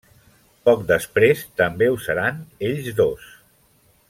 Poc després també ho seran ells dos.